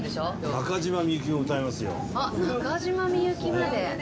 中島ゆきこまで。